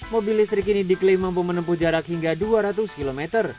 mobil listrik ini diklaim mampu menempuh jarak hingga dua ratus km